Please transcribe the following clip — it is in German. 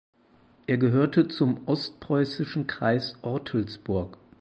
Er gehörte zum ostpreußischen Kreis Ortelsburg.